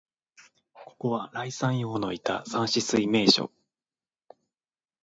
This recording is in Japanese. ここは、頼山陽のいた山紫水明処、